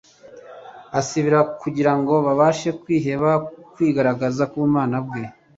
Asabira kugira ngo babashe kwiheba ukwigaragaza k'ubumana bwe